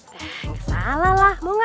kesalah lah mau gak